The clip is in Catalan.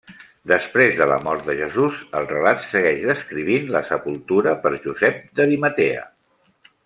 Després de la mort de Jesús, el relat segueix descrivint la sepultura per Josep d'Arimatea.